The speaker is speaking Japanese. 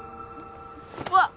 うわっ！